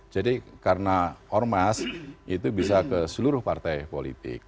jadi karena ormas itu bisa ke seluruh partai politik